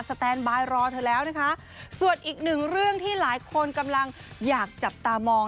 แตนบายรอเธอแล้วนะคะส่วนอีกหนึ่งเรื่องที่หลายคนกำลังอยากจับตามอง